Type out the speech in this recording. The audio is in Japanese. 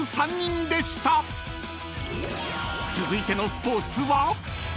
［続いてのスポーツは？］